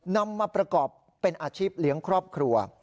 นำมาประกอบเป็นอาชีพเลี้ยงครอบครัว